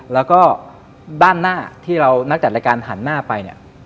แล้วก็ด้านหน้าที่เรานักจัดรายการหันหน้าไปเนี่ย